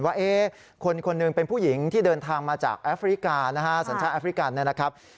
ว่าคนหนึ่งเป็นผู้หญิงที่เดินทางมาจากสัญชาแอฟริกานะครับ